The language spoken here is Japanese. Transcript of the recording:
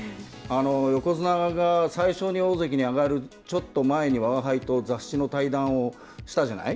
横綱が最初に大関に上がるちょっと前にわがはいと雑誌の対談をしたじゃない。